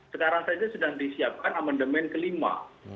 sekarang saja sedang disiapkan amandemen kelima